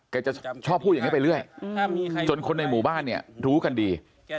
จะชอบพูดอย่างนี้ไปเรื่อยจนคนในหมู่บ้านเนี่ยรู้กันดี